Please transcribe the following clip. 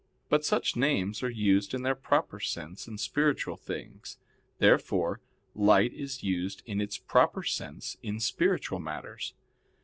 But such names are used in their proper sense in spiritual things. Therefore light is used in its proper sense in spiritual matters.